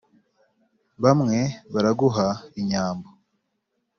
bamwe baraguha inyambo